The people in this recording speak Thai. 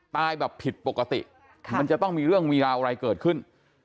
ตายแบบผิดปกติมันจะต้องมีเรื่องมีราวอะไรเกิดขึ้น